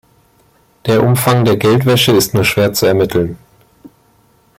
Der Umfang der Geldwäsche ist nur schwer zu ermitteln.